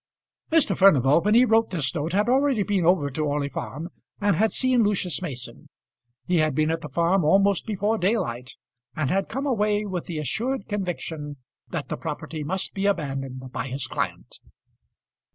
Mr. Furnival when he wrote this note had already been over to Orley Farm, and had seen Lucius Mason. He had been at the farm almost before daylight, and had come away with the assured conviction that the property must be abandoned by his client.